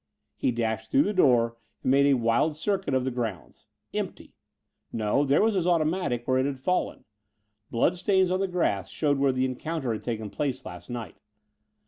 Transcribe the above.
He dashed through the door and made a wild circuit of the grounds. Empty! No there was his automatic, where it had fallen. Blood stains on the grass showed where the encounter had taken place last night.